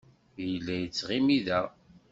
Yella yettɣimi da.